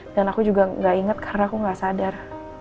dan aku juga gak inget karena aku gak sadar